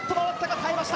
耐えました。